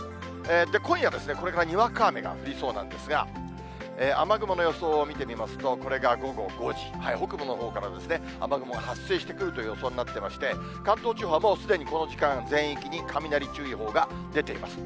今夜、これからにわか雨が降りそうなんですが、雨雲の予想を見てみますと、これが午後５時、北部のほうから、雨雲が発生してくるという予想になっていまして、関東地方はもうすでにこの時間、全域に雷注意報が出ています。